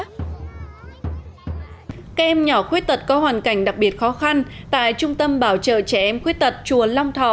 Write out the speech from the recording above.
các em nhỏ khuyết tật có hoàn cảnh đặc biệt khó khăn tại trung tâm bảo trợ trẻ em khuyết tật chùa long thọ